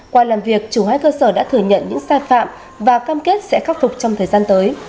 qua làm việc chủ hai cơ sở đã thừa nhận những sai phạm và cam kết sẽ khắc phục trong thời gian tới